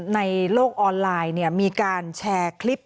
ในโลกออนไลน์มีการแชร์คลิป